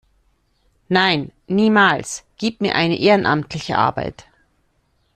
Nein, niemals, gib mir eine ehrenamtliche Arbeit.